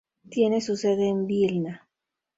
Tiene su sede en Vilna.